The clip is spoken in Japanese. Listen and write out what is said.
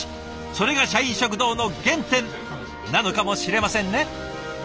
それが社員食堂の原点なのかもしれませんね。